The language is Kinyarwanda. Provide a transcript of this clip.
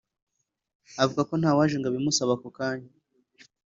avuga ko ntawaje ngo abimusabe ako kanya